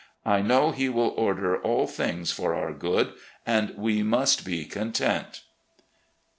I know He will order all things for our good, and we must be content."